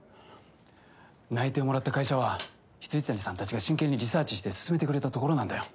内定をもらった会社は未谷さんたちが真剣にリサーチしてすすめてくれたところなんだよ。